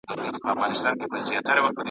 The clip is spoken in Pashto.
ما د خپل قسمت پر فیصلو شکر ایستلی .